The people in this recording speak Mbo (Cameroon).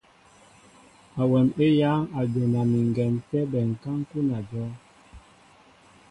Awɛm éyáŋ a jona mi ŋgɛn tɛ́ bɛnká ń kúná ajɔ́w.